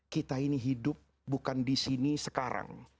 kita ini hidup bukan disini sekarang